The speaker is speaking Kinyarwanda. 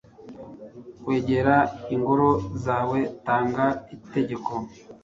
Kwegera Ingoro zawe, tanga itegeko